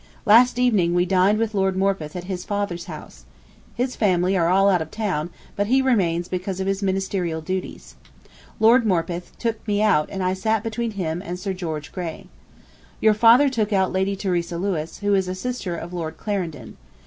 Last evening we dined with Lord Morpeth at his father's house. His family are all out of town, but he remains because of his ministerial duties. Lord Morpeth took me out and I sat between him and Sir George Grey. Your father took out Lady Theresa Lewis, who is a sister of Lord Clarendon.